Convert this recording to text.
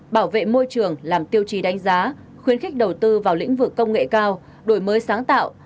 bảo vệ môi trường làm tiêu chí đánh giá khuyến khích đầu tư vào lĩnh vực công nghệ cao đổi mới sáng tạo